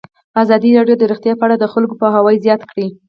ازادي راډیو د روغتیا په اړه د خلکو پوهاوی زیات کړی.